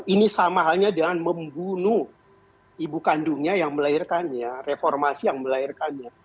ini sama halnya dengan membunuh ibu kandungnya yang melahirkannya reformasi yang melahirkannya